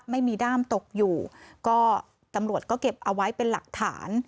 ไม่มีด้ามตกอยู่ก็ตำรวจก็เก็บเอาไว้เป็นหลักฐาน